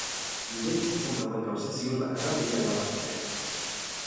Nire bizitzan dagoen gauza ziur bakarra nire alabak dira.